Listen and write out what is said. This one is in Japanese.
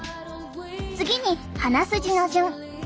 次に鼻筋の順。